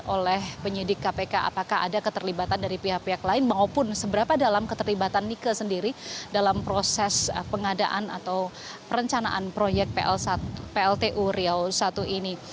oleh penyidik kpk apakah ada keterlibatan dari pihak pihak lain maupun seberapa dalam keterlibatan nike sendiri dalam proses pengadaan atau perencanaan proyek pltu riau i ini